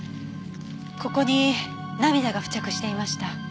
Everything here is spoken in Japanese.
ここに涙が付着していました。